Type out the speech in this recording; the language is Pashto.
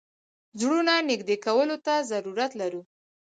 زړونو نېږدې کولو ته ضرورت لرو.